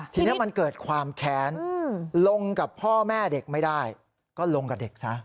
ทีนี้มันเกิดความแค้นลงกับพ่อแม่เด็กไม่ได้ก็ลงกับเด็กซะ